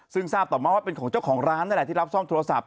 ซึ่งทราบต่อมาว่าเป็นของเจ้าของร้านนั่นแหละที่รับซ่อมโทรศัพ